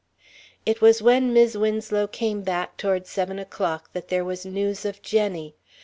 It was when Mis' Winslow came back toward seven o'clock that there was news of Jenny.